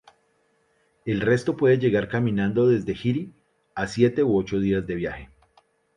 El resto puede llegar caminando desde Jiri, a siete u ocho días de viaje.